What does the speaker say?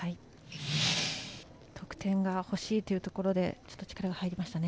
得点が欲しいというところ力が入りましたね。